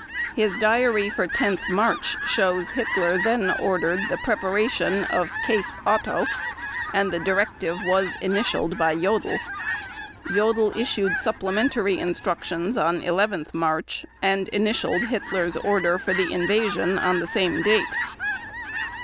His diary for 10 March shows Hitler then ordered the preparation of "Case Otto", and the directive was initialed by Jodl. Jodl issued supplementary instructions on 11 March, and initialed Hitler's order for the invasion on the same date.